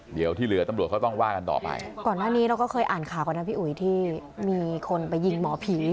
เดี๋ยวที่เหลือตำรวจเขาต้องว่ากันต่อไปก่อนหน้านี้เราก็เคยอ่านข่าวก่อนนะพี่อุ๋ยที่มีคนไปยิงหมอผี